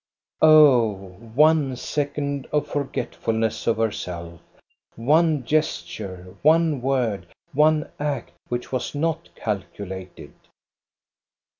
Oh, one second of forgetfulness of herself! One gesture, one word, one act which was not calculated